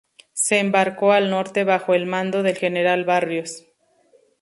Se embarcó al norte bajo el mando del general Barrios.